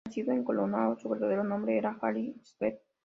Nacido en Colorado, su verdadero nombre era Harry Swett.